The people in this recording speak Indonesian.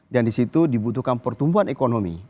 dan di situ dibutuhkan pertumbuhan ekonomi